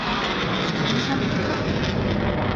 ހިތްހަމަ ޖެހިގެން